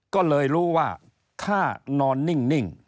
ก็เลยรู้ว่าถ้านอนนิ่ง